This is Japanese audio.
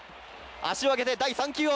足をあげて第３球を。